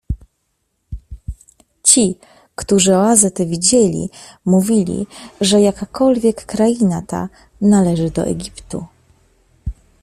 Ci, którzy oazę tę widzieli, mówili, że jakakolwiek kraina ta należy do Egiptu.